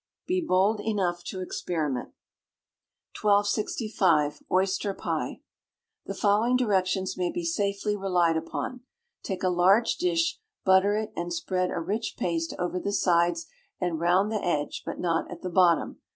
[BE BOLD ENOUGH TO EXPERIMENT.] 1265. Oyster Pie. The following directions may be safely relied upon. Take a large dish, butter it, and spread a rich paste over the sides and round the edge, but not at the bottom.